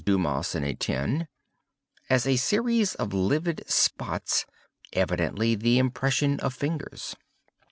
Dumas and Etienne,) as a 'series of livid spots, evidently the impression of fingers.